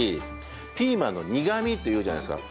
ピーマンの苦みって言うじゃないですか。